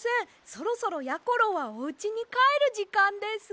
そろそろやころはおうちにかえるじかんです。